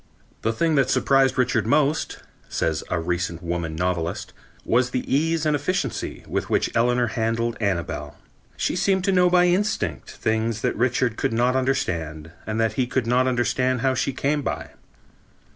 "The thing that surprised Richard most," says a recent woman novelist, "was the ease and the efficiency with which Eleanor handled Annabel.... She seemed to know by instinct, things that Richard could not understand and that he could not understand how she came by.